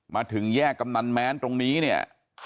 มาถึงแยกกำนันแม้นตรงนี้เนี่ย